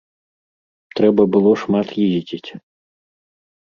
Трэба было шмат ездзіць.